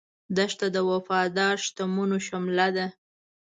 دښته د وفادار شتمنو شمله ده.